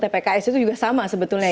dari pks itu juga sama sebetulnya ya